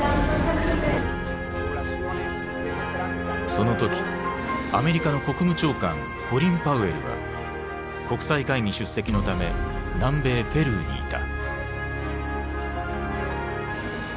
その時アメリカの国務長官コリン・パウエルは国際会議出席のため南米ペルーにいた。